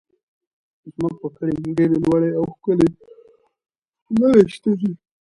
زموږ په کلي کې ډېرې لوړې او ښکلې ونې شته دي.